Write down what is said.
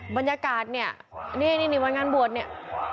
บรรยากาศเนี่ยนี่วันงานบวชเนี่ย